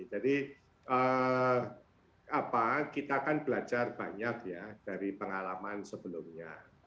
jadi kita akan belajar banyak ya dari pengalaman sebelumnya